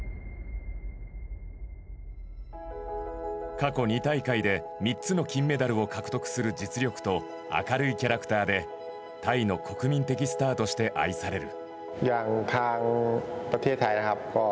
過去２大会で３つの金メダルを獲得する実力と明るいキャラクターでタイの国民的スターとして愛される。